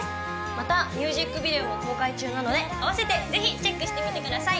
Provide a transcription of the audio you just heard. またミュージックビデオも公開中なので合わせてぜひチェックしてみてください！